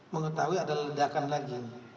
mengetahui ada ledakan lagi